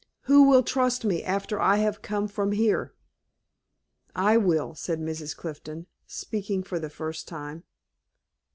"Who will trust me after I have come from here?" "I will," said Mrs. Clifton, speaking for the first time.